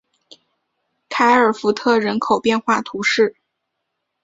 凯尔福特人口变化图示